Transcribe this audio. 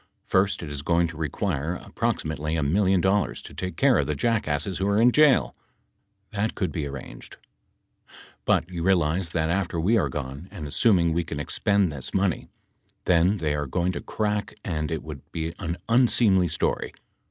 First it is going to require ap proximately a million dollars to take care of the jackasses who are in jail. That can be arranged. That could be arranged. But you realize that after we are gone, and assuming we can expend this money, then they are going to crack and it would be an unseemly story.